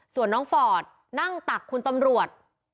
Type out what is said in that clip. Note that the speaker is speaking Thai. ส่วนน้องฟอร์ดนั่งตักคุณตำรวจ